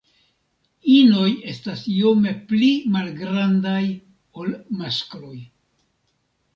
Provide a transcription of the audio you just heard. Inoj estas iome pli malgrandaj ol maskloj.